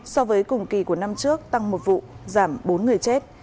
so với cùng kỳ của năm trước tăng một vụ giảm bốn người chết